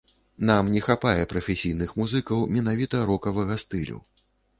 Нам не хапае прафесійных музыкаў менавіта рокавага стылю.